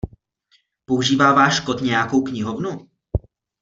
Používá váš kód nějakou knihovnu?